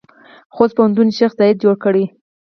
خوست پوهنتون شیخ زاید جوړ کړی؟